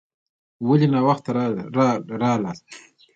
ولي ناوخته راغلاست؟